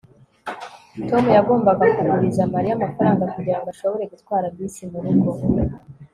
tom yagombaga kuguriza mariya amafaranga kugirango ashobore gutwara bisi murugo